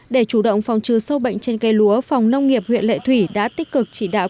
để chủ động phòng trừ sâu bệnh trên cây lúa phòng nông nghiệp huyện lệ thủy đã tích cực chỉ đạo